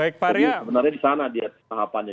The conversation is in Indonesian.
jadi sebenarnya di sana dia tahapannya